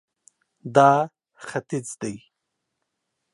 دا ختیځ دی